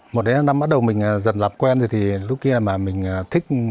một đến hai năm bắt đầu mình dần lập quen rồi thì lúc kia là mình thích